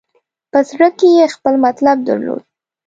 په زړه کې یې خپل مطلب درلود.